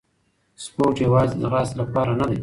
سپورت یوازې د ځغاستې لپاره نه دی.